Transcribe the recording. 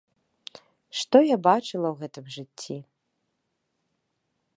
Што я бачыла ў гэтым жыцці?